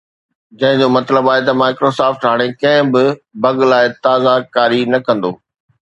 جنهن جو مطلب آهي ته Microsoft هاڻي ڪنهن به بگ لاءِ تازه ڪاري نه ڪندو